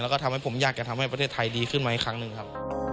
แล้วก็ทำให้ผมอยากจะทำให้ประเทศไทยดีขึ้นมาอีกครั้งหนึ่งครับ